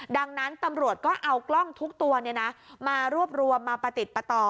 ดังนั้นตำรวจก็เอากล้องทุกตัวมารวบรวมมาประติดประต่อ